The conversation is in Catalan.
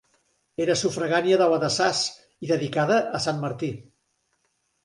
Era sufragània de la de Sas, i dedicada a sant Martí.